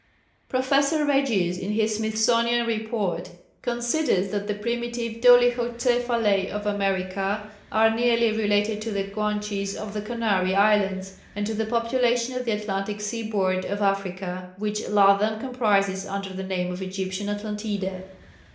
Professor Retzius, in his Smithsonian Report, considers that the primitive dolichocephalæ of America are nearly related to the Guanches of the Canary Islands, and to the population on the Atlantic seaboard of Africa, which Latham comprises under the name of Egyptian Atlantidæ.